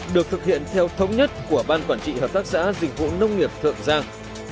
được thực hiện theo thống nhất của ban quản trị hợp tác xã dịch vụ nông nghiệp thượng giang